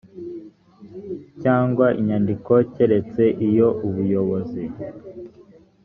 cyangwa inyandiko keretse iyo ubuyobozi